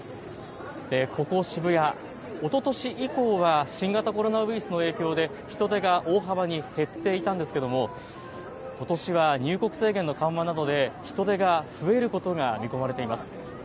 ここ渋谷、おととし以降は新型コロナウイルスの影響で人出が大幅に減っていたんですがことしは入国制限の緩和などで人出が増えることが見込まれています。